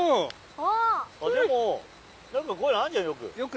あっでもなんかこういうのあんじゃんよく。